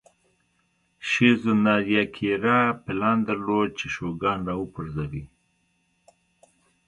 شیزو ناریاکیرا پلان درلود چې شوګان را وپرځوي.